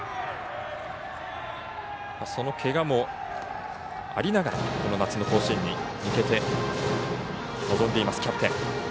そのけがもありながらこの夏の甲子園に向けて臨んでいます、キャプテン。